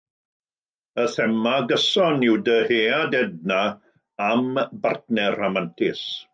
Y thema gyson yw dyhead Edna am bartner rhamantus.